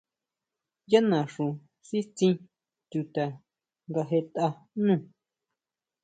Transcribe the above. Yá naxu sítsin chuta nga jetʼa nú.